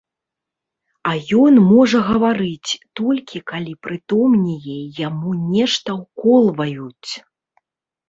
А ён можа гаварыць, толькі калі прытомнее і яму нешта ўколваюць.